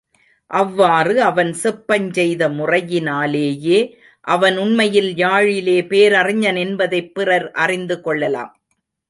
அவ்வாறு அவன் செப்பஞ் செய்த முறையினாலேயே அவன் உண்மையில் யாழிலே பேரறிஞன் என்பதைப் பிறர் அறிந்து கொள்ளலாம்.